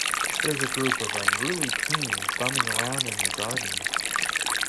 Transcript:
There's a group of unruly teens bumming around in your garden.